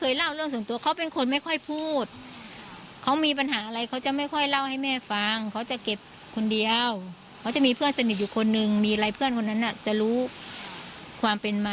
ยิงขู่มันสักทีไหมว่าเออ